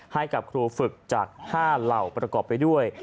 ให้กับครูฝึกจาก๕เหล่าประกอบไปด้วย